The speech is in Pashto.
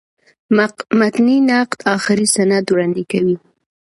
متني نقد آخري سند وړاندي کوي.